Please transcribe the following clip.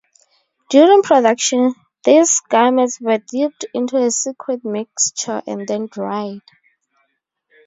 During production, these garments were dipped into a secret mixture and then dried.